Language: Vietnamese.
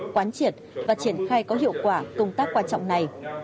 quán triệt và triển khai có hiệu quả công tác quan trọng này